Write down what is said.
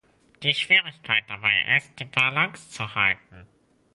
Die Schwierigkeit dabei ist, die Balance zu halten.